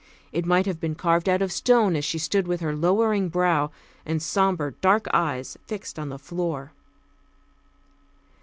It might have been carved out of stone as she stood with her lowering brow, and sombre dark eyes fixed on the floor.